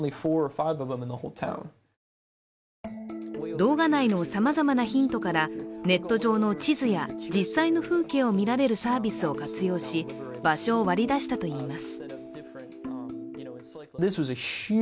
動画内のさまざまなヒントからネット上の地図や実際の風景を見られるサービスを活用し場所を割り出したといいます